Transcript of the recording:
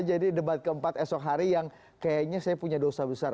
jadi debat keempat esok hari yang kayaknya saya punya dosa besar